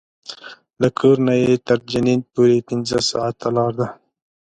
له کور نه یې تر جنین پورې پنځه ساعته لاره ده.